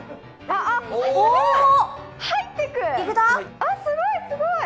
あっすごい！